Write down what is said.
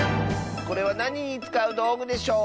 これはなににつかうどうぐでしょう？